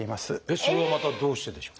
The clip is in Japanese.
それはまたどうしてでしょう？